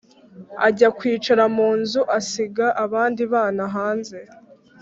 Ajya kwicara mu nzu asiga abandi bana hanze